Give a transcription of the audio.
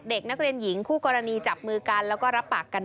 เด็กนักเรียนหญิงคู่กรณีจับมือกันแล้วก็รับปากกัน